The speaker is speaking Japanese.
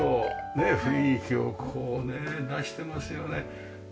ねえ雰囲気をこうね出してますよね。